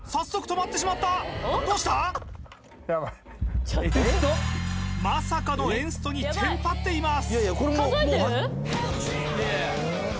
まさかのエンストにテンパっています